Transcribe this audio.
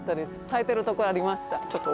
咲いてるとこありました